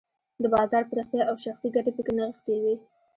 د بازار پراختیا او شخصي ګټې پکې نغښتې وې.